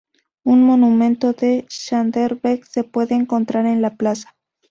Un Monumento a Skanderbeg se puede encontrar en la plaza.